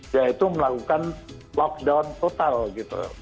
yaitu melakukan lockdown total gitu